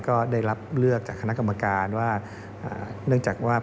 ก็ได้รับเลือกจากคณะกรรมการว่า